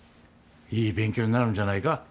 いい勉強になるんじゃないか？